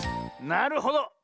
なるほど。